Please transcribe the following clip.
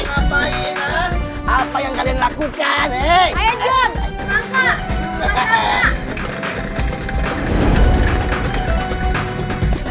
apa yang kalian lakukan